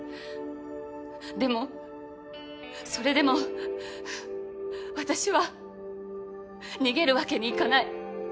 でもそれでもはぁ私は逃げるわけにいかない。